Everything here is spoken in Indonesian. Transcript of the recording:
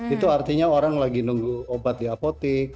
itu artinya orang lagi nunggu obat di apotik